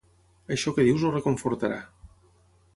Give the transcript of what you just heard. Això que dius el reconfortarà.